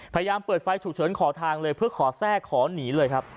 พยายามเปิดไฟฉุกเฉินขอทางเลยเพื่อขอแทรกขอหนีเลยครับ